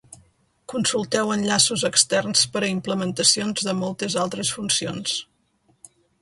Consulteu enllaços externs per a implementacions de moltes altres funcions.